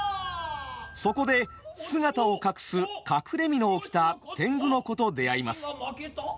そこで姿を隠す「隠れ蓑」を着た天狗の子と出会います。